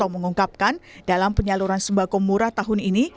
mengungkapkan dalam penyaluran sembako murah tahun ini